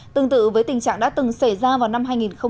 tương tự với tình trạng đã từng xảy ra vào năm hai nghìn một mươi bảy